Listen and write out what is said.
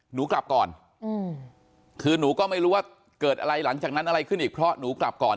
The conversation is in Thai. หนูกลับก่อนอืมคือหนูก็ไม่รู้ว่าเกิดอะไรหลังจากนั้นอะไรขึ้นอีกเพราะหนูกลับก่อน